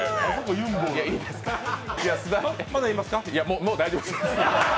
もう大丈夫です。